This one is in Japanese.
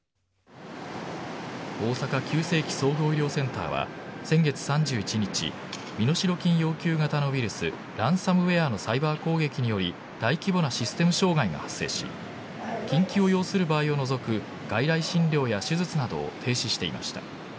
大阪急性期・総合医療センターは先月３１日身代金要求型のウイルスランサムウェアのサイバー攻撃により大規模なシステム障害が発生し緊急を要する場合を除く外来診療や手術などを停止していました。